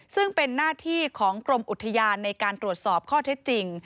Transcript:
ซึ่งเป็นหน้าที่ของกรมอุทยานในการตรวจสอบข้อเท็จจริง